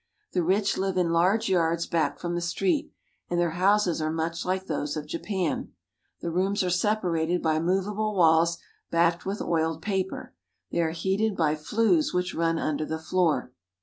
The rich live in large yards back from the street, and their houses are much like those of Japan. The rooms are separated by movable walls backed with oiled paper ; they are heated by flues which run under the floor.